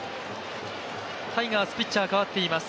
タイガース、ピッチャー代わっています。